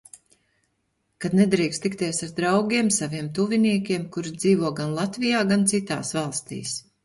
Kad nedrīkst tikties ar draugiem, saviem tuviniekiem, kuri dzīvo gan Latvijā, gan citās valstīs.